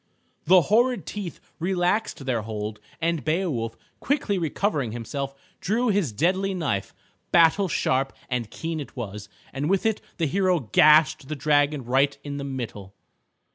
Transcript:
The horrid teeth relaxed their hold, and Beowulf, quickly recovering himself, drew his deadly knife. Battle sharp and keen it was, and with it the hero gashed the dragon right in the middle.